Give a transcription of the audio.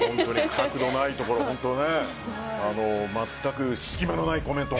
角度がないところ、本当に隙間のないコメント